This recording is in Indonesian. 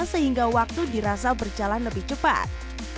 sehingga waktu dirasa berjalan lebih cepat